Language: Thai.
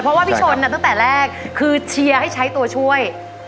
เพราะว่าพี่ชนตั้งแต่แรกคือเชียร์ให้ใช้ตัวช่วย